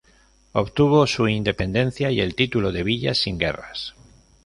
Obtuvo su independencia y el título de villa sin guerras.